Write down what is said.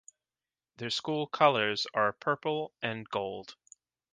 Their school colors are Purple and Gold.